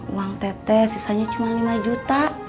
uang teteh sisanya cuma lima juta